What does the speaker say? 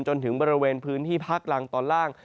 จนถึงบริเวณพื้นที่ภาคล่างตอนล่าง